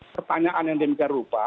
pertanyaan yang demikian rupa